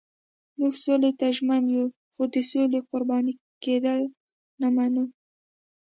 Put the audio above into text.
موږ سولې ته ژمن یو خو د سولې قربان کېدل نه منو.